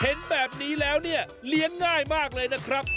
เห็นแบบนี้แล้วเนี่ยเลี้ยงง่ายมากเลยนะครับ